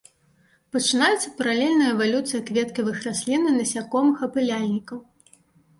Пачынаецца паралельная эвалюцыя кветкавых раслін і насякомых-апыляльнікаў.